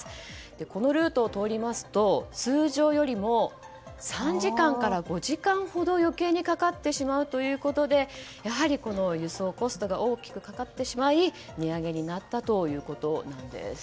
このルートを通りますと通常よりも３時間から５時間ほど余計にかかってしまうということで輸送コストが大きくかかってしまい値上げになったということです。